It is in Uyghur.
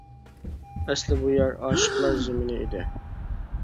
ئەسلى بۇ يەر ئاشىقلار زېمىنى ئىدى.